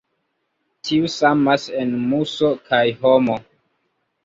Tiu samas en muso kaj homo.